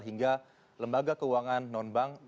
hingga lembaga keuangan non bank